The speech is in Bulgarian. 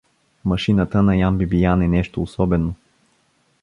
Машината на Ян Бибиян е нещо особено.